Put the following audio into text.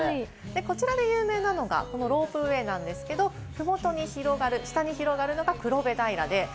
こちらで有名なのがこのロープウエーなんですけれども、麓に広がる下に広がるのが黒部平。